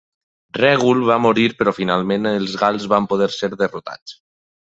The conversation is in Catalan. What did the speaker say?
Règul va morir però finalment els gals van poder ser derrotats.